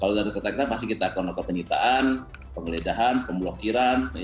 kalau dari kata kita pasti kita akan mengungkap penyitaan pengeledahan pemblokiran